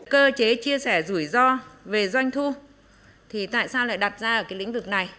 cơ chế chia sẻ rủi ro về doanh thu thì tại sao lại đặt ra ở cái lĩnh vực này